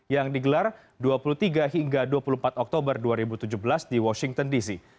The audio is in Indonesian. yang digelar dua puluh tiga hingga dua puluh empat oktober dua ribu tujuh belas di washington dc